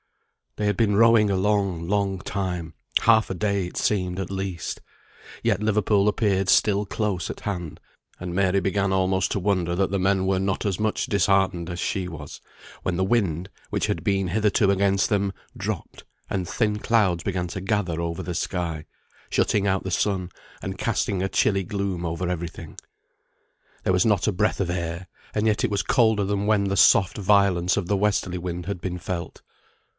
They had been rowing a long, long time half a day it seemed, at least yet Liverpool appeared still close at hand, and Mary began almost to wonder that the men were not as much disheartened as she was, when the wind, which had been hitherto against them, dropped, and thin clouds began to gather over the sky, shutting out the sun, and casting a chilly gloom over every thing. There was not a breath of air, and yet it was colder than when the soft violence of the westerly wind had been felt.